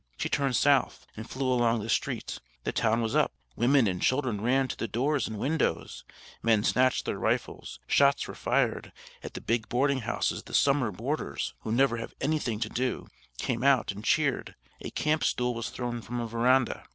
She turned south, and flew along the street. The town was up. Women and children ran to the doors and windows; men snatched their rifles; shots were fired; at the big boarding houses, the summer boarders, who never have anything to do, came out and cheered; a camp stool was thrown from a veranda.